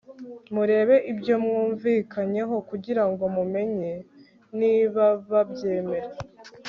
murebe ibyo mwumvikanyeho kugira ngo mumenye niba babyemera